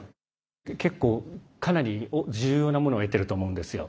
結構かなり重要なものを得ていると思うんですよ。